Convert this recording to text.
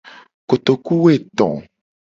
Kotokuwoeto.